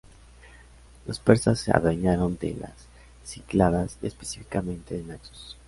Los persas se adueñaron de las Cícladas, y específicamente de Naxos.